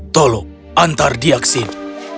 tolong antar dia ke sini